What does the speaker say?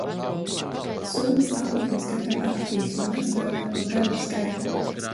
Summas apjoms katram atkarīgs no nostrādāto gadu skaita.